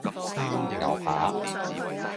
牛扒